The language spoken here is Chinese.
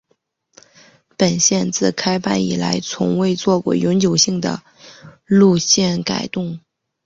本线自开办以来从未做过永久性的路线改动。